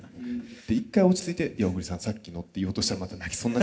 一回落ち着いて「小栗さんさっきの」って言おうとしたらまた泣きそうになっちゃって